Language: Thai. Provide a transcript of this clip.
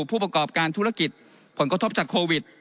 ผู้ประกอบการธุรกิจผลกระทบจากโควิด